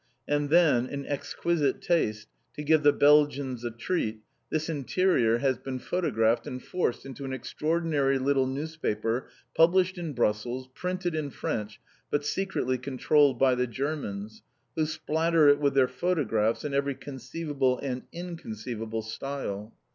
And then, in exquisite taste, to give the Belgians a treat, this interior has been photographed and forced into an extraordinary little newspaper published in Brussels, printed in French but secretly controlled by the Germans, who splatter it with their photographs in every conceivable (and inconceivable) style.